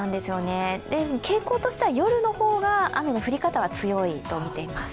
傾向としては、夜の方が雨の降り方は強いとみています。